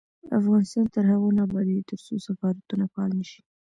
افغانستان تر هغو نه ابادیږي، ترڅو سفارتونه فعال نشي.